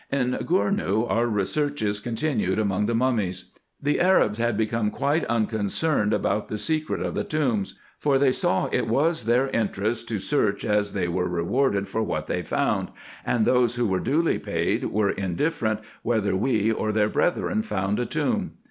In Gournou, our researches continued among the mummies. The IN EGYPT, NUBIA, &c 165 Arabs had become quite unconcerned about the secret of the tombs ; for they saw it was their interest to search, as they were rewarded for what they found, and those who were duly paid were indifferent whether we or their brethren found a tomb.